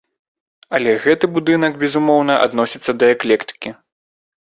Але гэты будынак, безумоўна, адносіцца да эклектыкі.